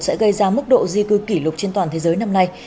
sẽ gây ra mức độ di cư kỷ lục trên toàn thế giới năm nay